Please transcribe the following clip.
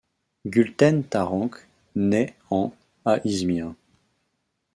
Gülten Taranç naît en à Izmir.